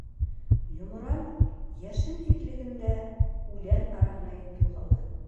Йомран йәшен тиҙлегендә үлән араһына инеп юғалды.